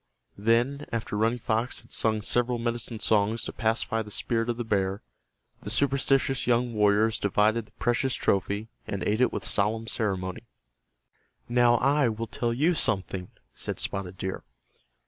Then, after Running Fox had sung several medicine songs to pacify the spirit of the bear, the superstitious young warriors divided the precious trophy and ate it with solemn ceremony. "Now I will tell you something," said Spotted Deer.